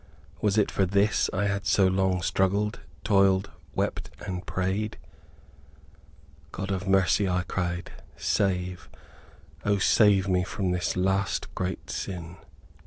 Was it for this I had so long struggled, toiled, wept and prayed? "God of mercy," I cried, "save, O save me from this last great sin!